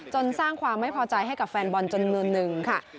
สร้างความไม่พอใจให้กับแฟนบอลจนมุมหนึ่งค่ะ